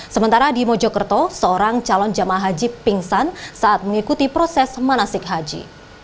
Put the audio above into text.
sementara di mojokerto seorang calon jemaah haji pingsan saat mengikuti proses manasik haji